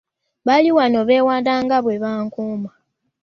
Bali wano beewaana nga bwe baakumaze.